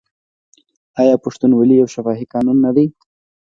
آیا پښتونولي یو شفاهي قانون نه دی؟